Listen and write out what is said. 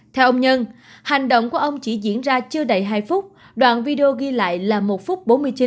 theo ông nhân hành động của ông chỉ diễn ra chưa đầy hai phút đoạn video ghi lại là một phút bốn mươi chín